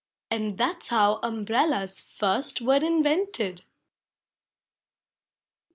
— And that ?s how umbrellas First were invented.